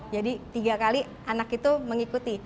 jadi tiga kali anak itu mengikuti